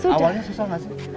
awalnya susah gak sih